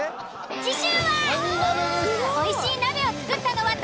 次週はおいしい鍋を作ったのは誰？